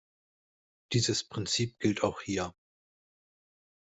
Dieses Prinzip gilt auch hier.